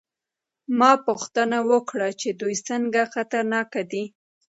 ما پوښتنه وکړه چې دوی څنګه خطرناک دي